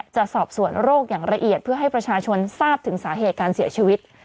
จะสอบสวนโรคอย่างละเอียดเพื่อให้ประชาชนทราบถึงสาเหตุการเสียชีวิต